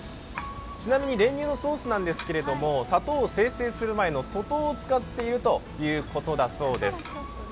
ちなみに練乳のソースなんですけど砂糖を精製する前の粗糖を使っているということなんです。